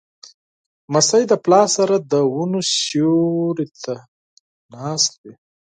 لمسی د پلار سره د ونو سیوري ته ناست وي.